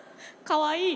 かわいい。